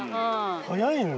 速いんだ。